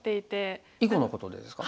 囲碁のことでですか？